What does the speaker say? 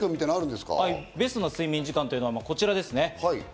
ベストな睡眠時間というのはこちらです。